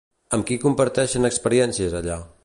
Amb qui comparteixen experiències allà?